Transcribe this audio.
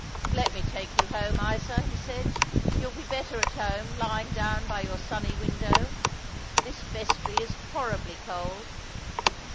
" Let me take you home, Isa," he said. " You'll be better at home, lying down by your sunny window. This vestry is horribly cold.